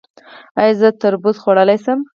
ایا زه تربوز خوړلی شم؟